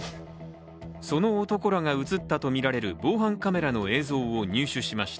その男らが映ったとみられる防犯カメラの映像を入手しました。